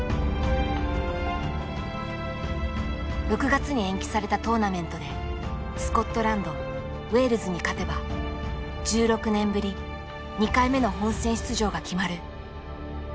６月に延期されたトーナメントでスコットランドウェールズに勝てば１６年ぶり２回目の本戦出場が決まる。